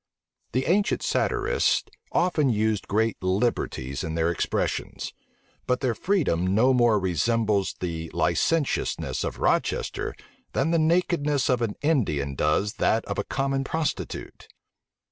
The ancient satirists often used great liberties in their expressions; but their free * *dom no more resembles the licentiousness of Rochester, than the nakedness of an Indian does that of a common prostitute.